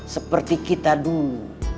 seperti kita dulu